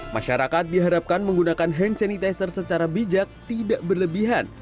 masyarakat diharapkan menggunakan hand sanitizer secara bijak tidak berlebihan